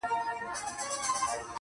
ګران وطنه دا هم زور د میني ستا دی,